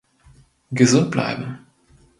Gesund bleiben!